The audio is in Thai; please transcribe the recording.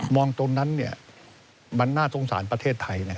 ตรงนั้นมันน่าสงสารประเทศไทย